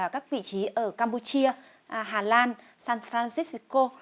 các vị trí ở campuchia hà lan san francisco